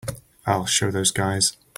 I'll show those guys.